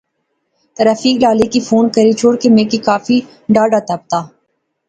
تو رفیق لالے کی فون کری شوڑ کہ میں کی کافی ڈاھڈا تپ دا